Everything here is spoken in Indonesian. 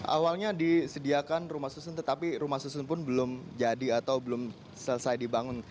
awalnya disediakan rumah susun tetapi rumah susun pun belum jadi atau belum selesai dibangun